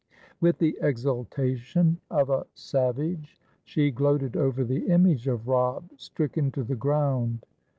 With the exultation of a savage she gloated over the image of Robb stricken to the ground.